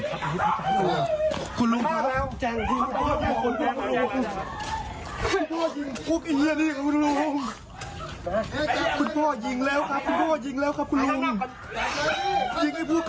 คุณลูกหนึ่งคุณลูกครับผมขอความช่วยด้วยครับคุณลูก